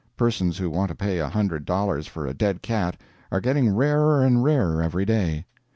Persons who want to pay a hundred dollars for a dead cat are getting rarer and rarer every day.